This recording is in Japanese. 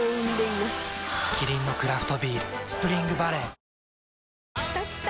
キリンのクラフトビール「スプリングバレー」きたきた！